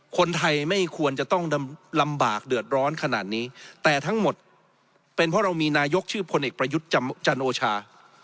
คนไทยไม่ควรจะต้องลำบากเดือดร้อนขนาดนี้แต่ทั้งหมดเป็นเพราะเรามีนายกชื่อพลเอกประยุทธ์จันโอชา